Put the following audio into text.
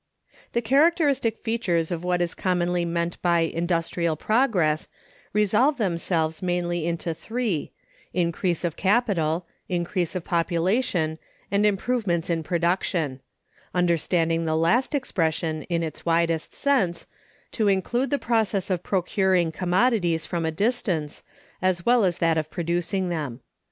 The characteristic features of what is commonly meant by industrial progress resolve themselves mainly into three, increase of capital, increase of population, and improvements in production; understanding the last expression, in its widest sense, to include the process of procuring commodities from a distance, as well as that of producing them.